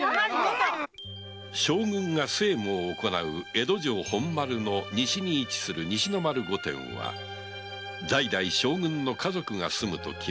将軍が政務を行う江戸城本丸の西に位置する西の丸御殿は代々将軍の家族が住むと決められていた